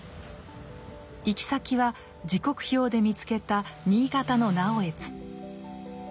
行き先は時刻表で見つけた新潟の直江津。